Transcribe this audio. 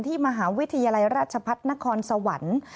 มหาวิทยาลัยราชพัฒนครสวรรค์